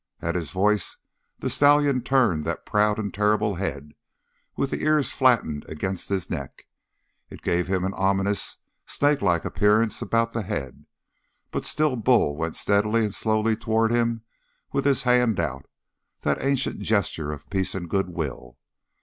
At his voice the stallion turned that proud and terrible head with the ears flattened against his neck. It gave him an ominous, snakelike appearance about the head, but still Bull went steadily and slowly toward him with his hand out, that ancient gesture of peace and good will.